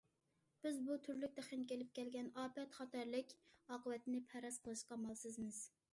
بىز بۇ تۈرلۈك تېخنىكا ئېلىپ كەلگەن ئاپەت خاراكتېرلىك ئاقىۋەتنى پەرەز قىلىشقا ئامالسىزمىز.